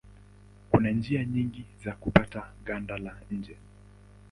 Kuna njia nyingi za kupata ganda la nje.